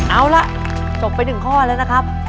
เอาล่ะจบไป๑ข้อแล้วนะครับ